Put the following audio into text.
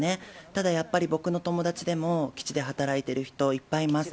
ただやっぱり、僕の友達でも、基地で働いている人いっぱいいます。